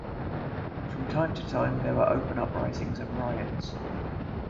From time to time there were open uprisings and riots.